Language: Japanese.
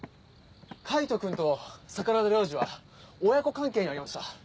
海人くんと桜田良次は親子関係にありました。